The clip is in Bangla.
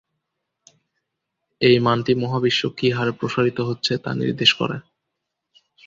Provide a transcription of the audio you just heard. এই মানটি মহাবিশ্ব কি হারে প্রসারিত হচ্ছে তা নির্দেশ করে।